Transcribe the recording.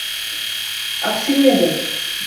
أَغْسِلُ يَدَيَّ.